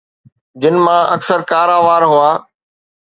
جن مان اڪثر ڪارا وار هئا